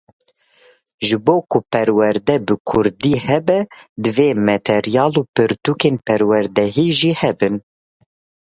Ji bo ku perwerde bi Kurdî hebe divê meteryal û pirtûkên perwerdehiyê jî hebin.